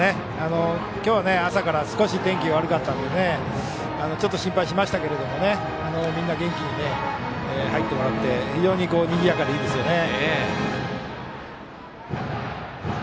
今日は朝から少し天気が悪かったのでちょっと心配しましたけどもみんな、元気に入ってもらって、非常ににぎやかでいいですね。